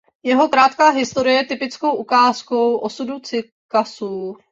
Jeho krátká historie je typickou ukázkou osudu cykasů.